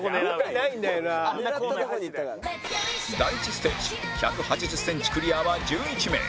第１ステージ１８０センチクリアは１１名